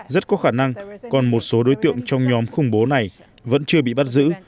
rất có khả năng còn một số đối tượng trong nhóm khủng bố này vẫn chưa bị bắt giữ